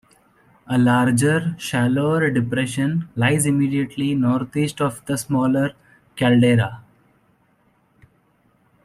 A larger, shallower depression lies immediately northeast of the smaller caldera.